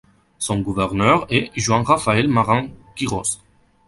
Son gouverneur est Juan Rafael Marín Quirós.